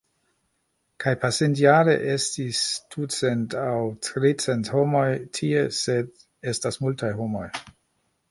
Kaj pasintjare estis ducent aŭ tricent homoj tie sed estas multaj homoj.